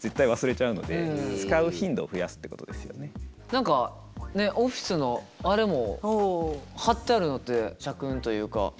何かオフィスのあれも貼ってあるのって社訓というか。